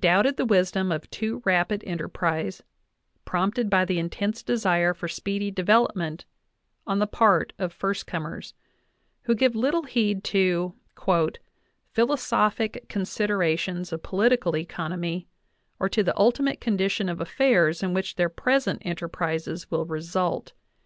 doubted the wisdom of too rapid enterprise, prompted by the intense desire for speedy development on the part of first comers, who give little heed to "philosophic considerations of political economy or to the ultimate condition of affairs in which their present enterprises will result.